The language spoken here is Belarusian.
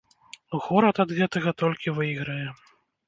Горад ад гэтага толькі выйграе.